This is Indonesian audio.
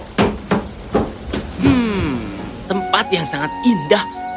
hmm tempat yang sangat indah